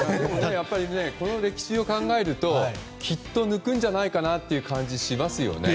やっぱりこの歴史を考えるときっと抜くんじゃないかなという感じがしますよね。